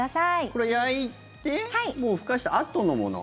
これ、焼いてふかしたあとのもの？